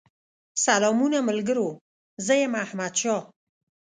سلامونه ملګرو! زه يم احمدشاه